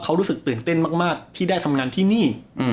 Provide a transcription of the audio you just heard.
เขารู้สึกตื่นเต้นมากที่ได้ทำงานที่นี่